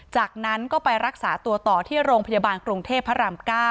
จากนั้นก็ไปรักษาตัวต่อที่โรงพยาบาลกรุงเทพพระราม๙